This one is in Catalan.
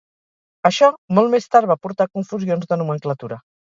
Això molt més tard va portar confusions de nomenclatura.